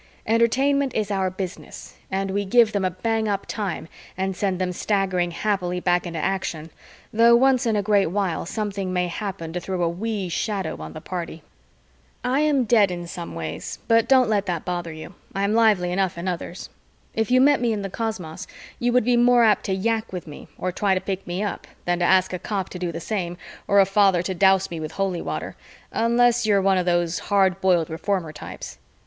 Entertainment is our business and we give them a bang up time and send them staggering happily back into action, though once in a great while something may happen to throw a wee shadow on the party. I am dead in some ways, but don't let that bother you I am lively enough in others. If you met me in the cosmos, you would be more apt to yak with me or try to pick me up than to ask a cop to do same or a father to douse me with holy water, unless you are one of those hard boiled reformer types.